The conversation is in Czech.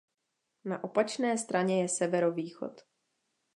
Na opačné straně je severovýchod.